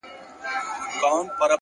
پوهه د محدود فکر کړکۍ پرانیزي,